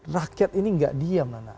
rakyat ini tidak diam